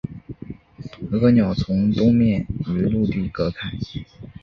鹅岛从东面与陆地隔开。